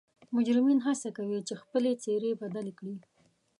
مجرمین حڅه کوي چې خپلې څیرې بدلې کړي